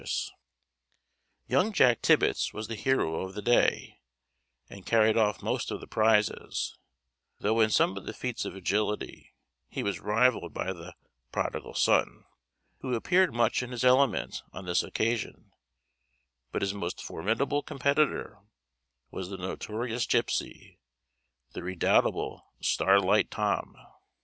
[Illustration: May Day Queen] Young Jack Tibbets was the hero of the day, and carried off most of the prizes, though in some of the feats of agility he was rivalled by the "prodigal son," who appeared much in his element on this occasion; but his most formidable competitor was the notorious gipsy, the redoubtable "Starlight Tom."